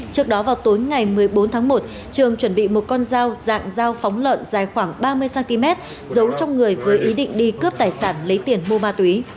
trước đó vào tối ngày một mươi bốn tháng một trường chuẩn bị một con dao dạng dao phóng lợn dài khoảng ba mươi cm giấu trong người với ý định đi cướp tài sản lấy tiền mua ma túy